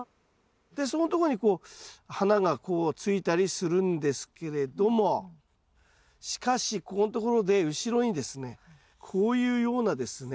でそこんとこにこう花がこうついたりするんですけれどもしかしここんところで後ろにですねこういうようなですね